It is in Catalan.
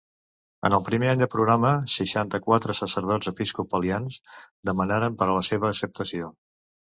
En el primer any del programa seixanta-quatre sacerdots episcopalians demanaren per a la seva acceptació.